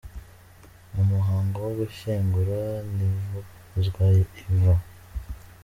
Mu muhango wo gushyingura Ntivuguruzwa Yvan